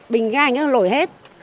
bình ganh nó lỗi hết